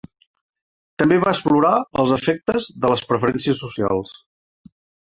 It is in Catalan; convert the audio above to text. També va explorar els efectes de les preferències socials.